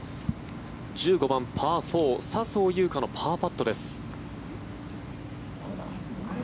１５番、パー４笹生優花のパーパットです。